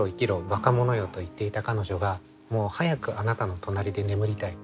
ばかものよと言っていた彼女がもう早くあなたの隣で眠りたい。